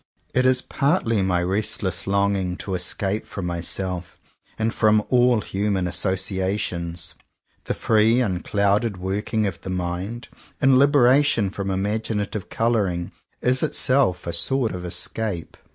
It is partly my restless longing to escape from myself and from all human associa tions. The free unclouded working of the mind, in liberation from imaginative colour ing, is itself a sort of escape.